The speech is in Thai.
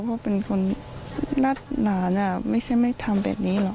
เพราะเป็นคนนัดนานไม่ใช่ไม่ทำแบบนี้หรอก